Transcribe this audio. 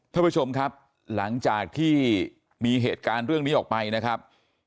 ท่านผู้ชมครับหลังจากที่มีเหตุการณ์เรื่องนี้ออกไปนะครับ